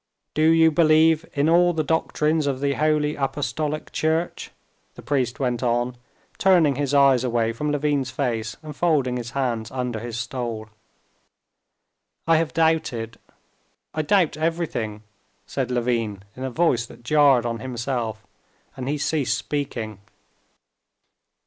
"Do you believe in all the doctrines of the Holy Apostolic Church?" the priest went on, turning his eyes away from Levin's face and folding his hands under his stole. "I have doubted, I doubt everything," said Levin in a voice that jarred on himself, and he ceased speaking.